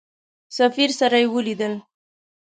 سفیر سره ولیدل.